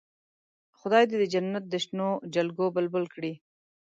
خدای دې د جنت د شنو جلګو بلبل کړي.